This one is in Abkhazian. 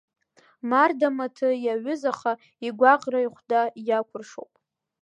Марда маҭы иаҩызаха, игәаҟра ихәда иакәыршоуп.